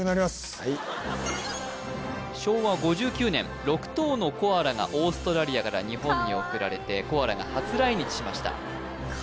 はい昭和５９年６頭のコアラがオーストラリアから日本に贈られてコアラが初来日しました